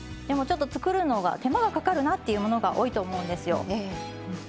でもちょっと作るのが手間がかかるなっていうものが多いと思うんですよ。